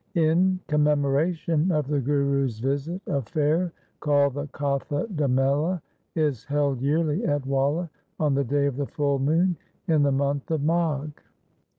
In commemoration of the Guru's visit a fair called the Kothe da Mela is held yearly at Walla on the day of the full moon in the month of Magh.